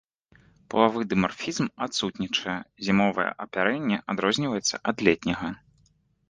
Палавы дымарфізм адсутнічае, зімовае апярэнне адрозніваецца ад летняга.